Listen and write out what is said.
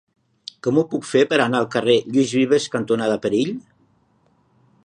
Com ho puc fer per anar al carrer Lluís Vives cantonada Perill?